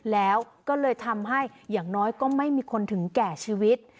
แล้วก็เลยทำให้อย่างน้อยก็ไม่มีคนถึงแก่ชีวิต